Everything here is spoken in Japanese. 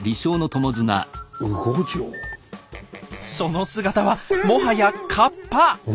その姿はもはや河童！